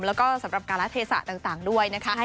แล้วก็สำหรับการละเทศะต่างด้วยนะคะ